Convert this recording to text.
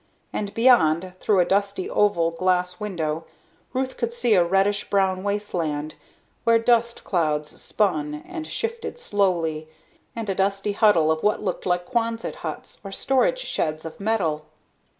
And beyond, through a dusty oval glass window, Ruth could see a reddish brown wasteland, where dust clouds spun and shifted slowly, and a dusty huddle of what looked like quonset huts or storage sheds of metal.